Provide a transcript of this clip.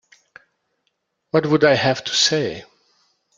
What would I have to say?